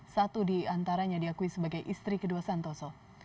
satu diantaranya diakui sebagai istri kedua santoso